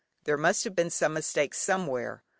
There must have been some mistake somewhere.